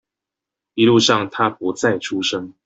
一路上他不再出聲